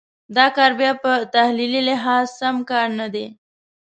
دا کار بیا په تحلیلي لحاظ سم کار نه دی.